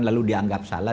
lalu dianggap salah